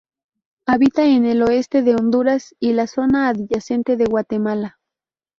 Habita en el oeste de Honduras y la zona adyacente de Guatemala.